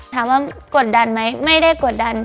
ว่ากดดันไหมไม่ได้กดดัน